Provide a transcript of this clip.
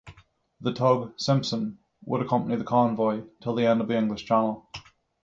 The tug "Simson" would accompany the convoy till the end of the English Channel.